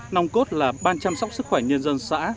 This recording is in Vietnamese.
nòng cốt là ban chăm sóc sức khỏe nhân dân xã